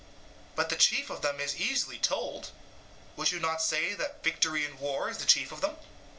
But the chief of them is easily told. Would you not say that victory in war is the chief of them?